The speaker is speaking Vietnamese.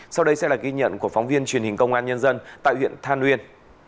sau đây sẽ là ghi nhận của phóng viên truyền hình công an nhân dân tại huyện than uyên